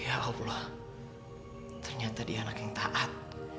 ya allah ternyata dia anak yang taat